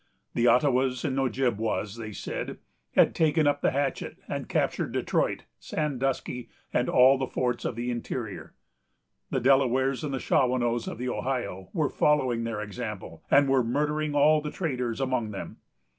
The Ottawas and Ojibwas, they said, had taken up the hatchet, and captured Detroit, Sandusky, and all the forts of the interior. The Delawares and Shawanoes of the Ohio were following their example, and were murdering all the traders among them.